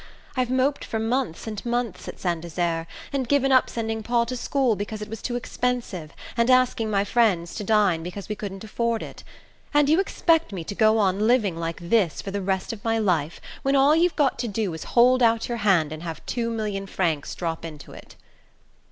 I've moped for months and months at Saint Desert, and given up sending Paul to school because it was too expensive, and asking my friends to dine because we couldn't afford it. And you expect me to go on living like this for the rest of my life, when all you've got to do is to hold out your hand and have two million francs drop into it!"